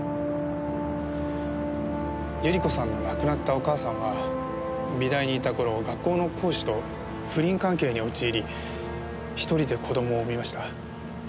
百合子さんの亡くなったお母さんは美大にいた頃学校の講師と不倫関係に陥り一人で子供を産みました。